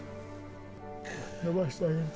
伸ばしてあげると。